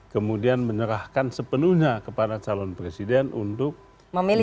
kemudian menyerahkan sepenuhnya kepada calon presiden untuk memilih